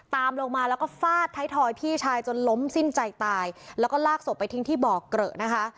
ตามลงมาแล้วก็ฟาดไทยทอยพี่ชายจนล้มสิ้นใจตายแล้วก็ลากศพไปทิ้งที่บ่อเกลอะนะคะ